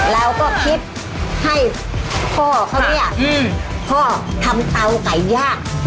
เราก็คิดให้พ่อเขาเนี่ยพ่อทำเตาไก่ย่าง